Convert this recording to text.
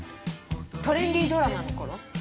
トレンディドラマのころ？